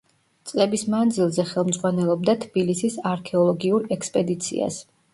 წლების მანძილზე ხელმძღვანელობდა თბილისის არქეოლოგიურ ექსპედიციას.